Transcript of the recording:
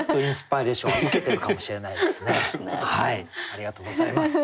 ありがとうございます。